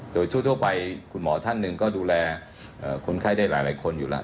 โดยทั่วไปคุณหมอท่านหนึ่งก็ดูแลคนไข้ได้หลายคนอยู่แล้ว